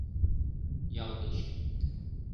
Ял гыч...